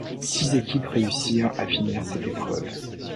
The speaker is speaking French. Six équipes réussirent à finir cette épreuve.